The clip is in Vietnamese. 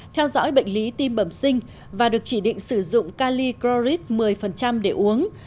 theo dõi bệnh lý tim bẩm sinh và được chỉ định sử dụng cali cloric một mươi để uống